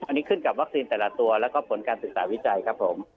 อันนี้ขึ้นกับวัคซีนแต่ละตัวแล้วก็ผลการศึกษาวิจัยครับผม